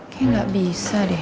kayaknya gak bisa deh